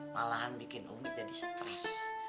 malahan bikin umi jadi stres